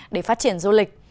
để phát triển du lịch